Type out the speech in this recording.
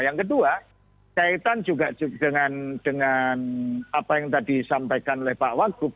yang kedua kaitan juga dengan apa yang tadi disampaikan oleh pak wagub